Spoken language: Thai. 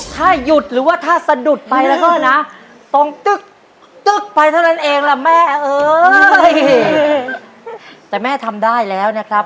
ถ้าหยุดหรือว่าถ้าสะดุดไปแล้วก็นะตรงตึ๊กตึ๊กไปเท่านั้นเองล่ะแม่เอ้ยแต่แม่ทำได้แล้วนะครับ